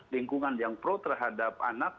lingkungan yang pro terhadap anak